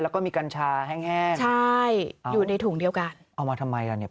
แล้วก็มีกัญชาแห้งแห้งใช่อยู่ในถุงเดียวกันเอามาทำไมล่ะเนี่ย